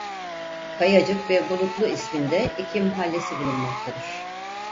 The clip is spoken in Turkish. Kayacık ve Bulutlu isminde iki mahallesi bulunmaktadır.